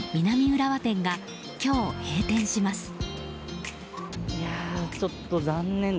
南浦和店が今日、閉店します。